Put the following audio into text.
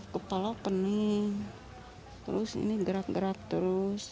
kepala penuh terus ini gerak gerak terus